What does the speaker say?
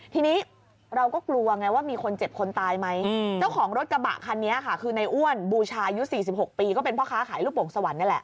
ทีนี้เราก็กลัวไงว่ามีคนเจ็บคนตายไหมเจ้าของรถกระบะคันนี้ค่ะคือในอ้วนบูชายุ๔๖ปีก็เป็นพ่อค้าขายลูกโป่งสวรรค์นี่แหละ